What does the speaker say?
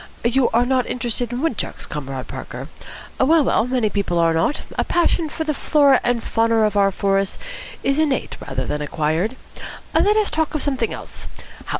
"You are not interested in wood chucks, Comrade Parker? Well, well, many people are not. A passion for the flora and fauna of our forests is innate rather than acquired. Let us talk of something else.